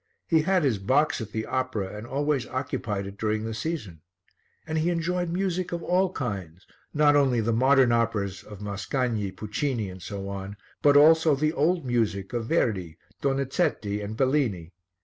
He had his box at the opera and always occupied it during the season. And he enjoyed music of all kinds, not only the modern operas of Mascagni, Puccini and so on, but also the old music of Verdi, Donizetti and Bellini.